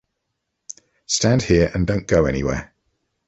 Stand here and don’t go anywhere!